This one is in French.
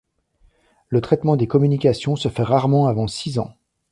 Le traitement des communications se fait rarement avant six ans.